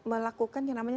melakukan yang namanya